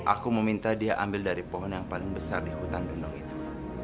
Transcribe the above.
aku meminta dia ambil dari pohon yang paling besar di hutan gunung itu